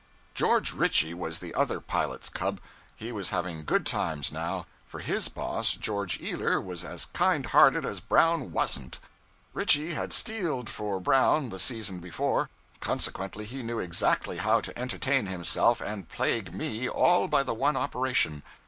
George Ritchie was the other pilot's cub. He was having good times now; for his boss, George Ealer, was as kindhearted as Brown wasn't. Ritchie had steeled for Brown the season before; consequently he knew exactly how to entertain himself and plague me, all by the one operation.